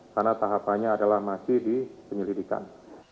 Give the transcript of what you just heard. karena tahapannya adalah masih di penyelidikan